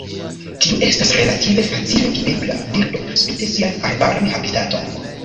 Tiu estas relative facile videbla birdo, spite sian arbaran habitaton.